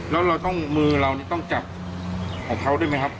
แล้วมือเราต้องจับของเขาได้ไหมครับ